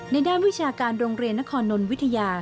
ด้านวิชาการโรงเรียนนครนนวิทยา